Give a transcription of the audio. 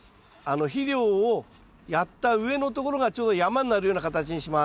肥料をやった上のところがちょうど山になるような形にします。